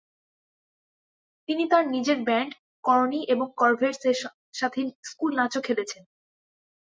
তিনি তার নিজের ব্যান্ড, কর্নি এবং করভেটস এর সাথে স্কুল নাচও খেলেছেন।